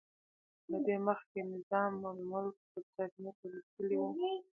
له دې مخکې نظام الملک برټانیې ته لیکلي وو.